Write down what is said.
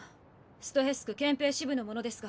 ストヘス区憲兵支部の者ですが。